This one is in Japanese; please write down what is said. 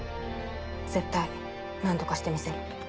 絶対何とかしてみせる。